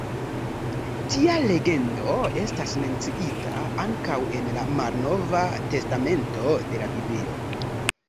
Tia legendo estas menciita ankaŭ en la Malnova Testamento de la Biblio.